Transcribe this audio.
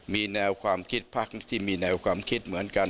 มีแนวความคิดพักที่มีแนวความคิดเหมือนกัน